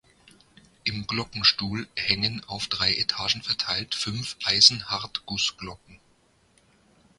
Im Glockenstuhl hängen auf drei Etagen verteilt fünf Eisenhartgussglocken.